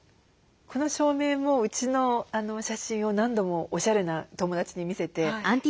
この照明もうちの写真を何度もおしゃれな友達に見せて。